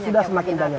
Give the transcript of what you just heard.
ya sudah semakin banyak